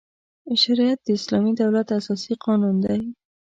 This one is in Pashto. شریعت د اسلامي دولت اساسي قانون دی.